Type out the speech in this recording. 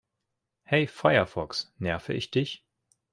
Hey Firefox, nerve ich dich?